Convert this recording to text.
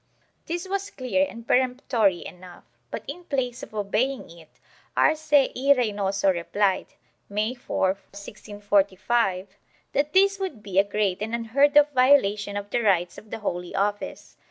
This was clear and peremptory enough, but, in place of obeying it, Arce y Reynoso replied, May 4, 1645, that this would be a great and unheard of violation of the rights of the Holy Office.